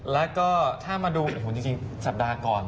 แล้วก็ถ้ามาดูโอ้โหจริงสัปดาห์ก่อน